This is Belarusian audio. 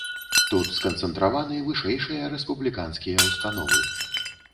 Тут сканцэнтраваны вышэйшыя рэспубліканскія ўстановы.